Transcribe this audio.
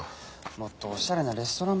もっとおしゃれなレストランバーで。